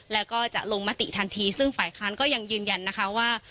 แล้วก็จะลงมติทันทีซึ่งฝ่ายค้านก็ยังยืนยันนะคะว่า